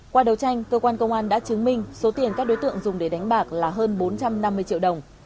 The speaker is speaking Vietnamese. qua đầu tranh cơ quan công an đã chứng minh số tiền các đối tượng dùng để đánh bạc là hơn bốn trăm năm mươi triệu đồng